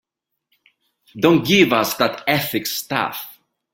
Don't give us that ethics stuff.